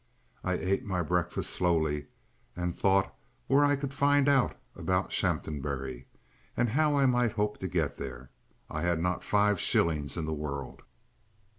I ate my breakfast slowly, and thought where I could find out about Shaphambury, and how I might hope to get there. I had not five shillings in the world.